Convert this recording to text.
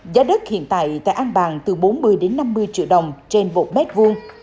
giá đất hiện tại tại an bàng từ bốn mươi đến năm mươi triệu đồng trên một mét vuông